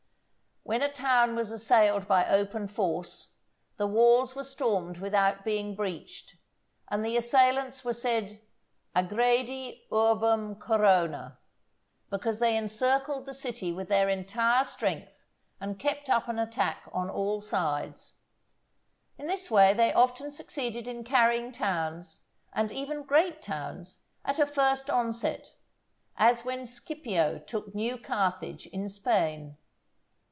When a town was assailed by open force, the walls were stormed without being breached, and the assailants were said "aggredi urbem corona," because they encircled the city with their entire strength and kept up an attack on all sides. In this way they often succeeded in carrying towns, and even great towns, at a first onset, as when Scipio took new Carthage in Spain.